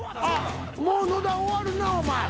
もう野田終わるなお前。